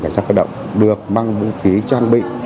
cảnh sát cơ động được mang vũ khí trang bị